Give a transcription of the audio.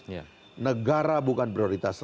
negara bukan prioritas